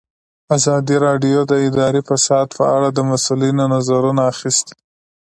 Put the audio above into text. ازادي راډیو د اداري فساد په اړه د مسؤلینو نظرونه اخیستي.